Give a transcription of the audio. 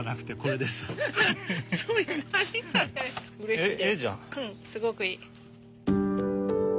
うんすごくいい。